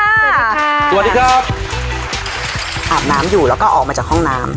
สวัสดีครับอาบน้ำอยู่แล้วก็ออกมาจากห้องน้ำ